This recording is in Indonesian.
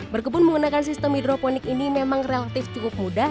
berkebun menggunakan sistem hidroponik ini memang relatif cukup mudah